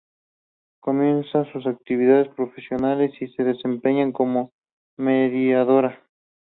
Comienza sus actividades profesionales y se desempeña como mediadora.